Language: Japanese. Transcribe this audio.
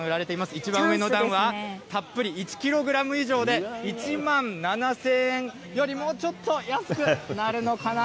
いちばん上の段は、たっぷり１キログラム以上で、１万７０００円より、もうちょっと安くなるのかな？